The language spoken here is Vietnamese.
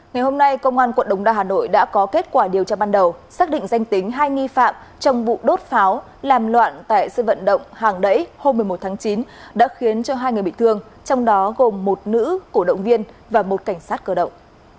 ngày hôm nay công an quận đống đa hà nội đã có kết quả điều tra ban đầu xác định danh tính hai nghi phạm trong vụ đốt pháo làm loạn tại sân vận động hàng đẩy hôm một mươi một tháng chín đã khiến hai người bị thương trong đó gồm một nữ cổ động viên và một cảnh sát cơ động